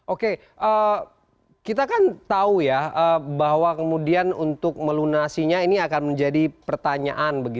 oke kita kan tahu ya bahwa kemudian untuk melunasinya ini akan menjadi pertanyaan